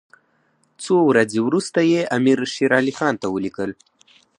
څو ورځې وروسته یې امیر شېر علي خان ته ولیکل.